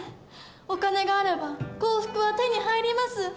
お金があれば幸福は手に入ります。